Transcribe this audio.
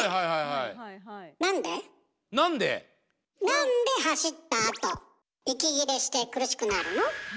なんで走ったあと息切れして苦しくなるの？